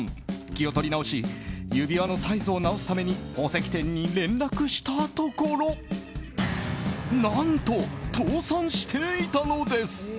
気を取り直し指輪のサイズを直すために宝石店に連絡したところ何と、倒産していたのです。